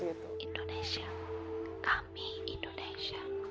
indonesia kami indonesia